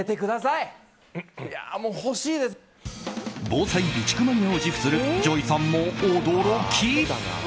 防災備蓄マニアを自負するＪＯＹさんも驚き。